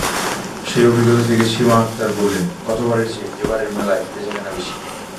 সেই অভিজ্ঞতা থেকে সীমা আক্তার বললেন, গতবারের চেয়ে এবারের মেলায় বেচাকেনা বেশি।